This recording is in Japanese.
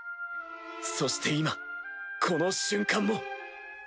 そして今この瞬間も！